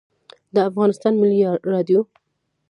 د افغانستان ملی رادیو